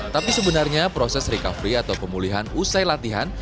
tapi sebenarnya proses recovery atau pemulihan usai latihan